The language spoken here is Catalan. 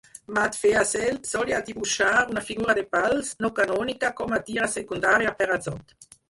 Matt Feazell solia dibuixar una figura de pals no canònica com a tira secundària per a Zot!